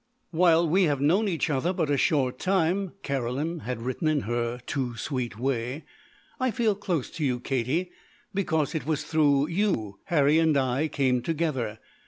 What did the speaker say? "While we have known each other but a short time," Caroline had written in her too sweet way, "I feel close to you, Katie, because it was through you Harry and I came together.